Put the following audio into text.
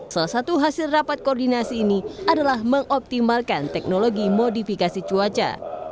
salah satu hasil rapat koordinasi ini adalah mengoptimalkan teknologi modifikasi cuaca